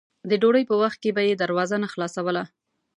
د ډوډۍ په وخت کې به یې دروازه نه خلاصوله.